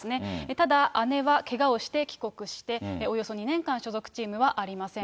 ただ、姉はけがをして帰国して、およそ２年間所属チームはありません。